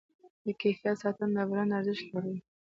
د کیفیت ساتنه د برانډ ارزښت لوړوي.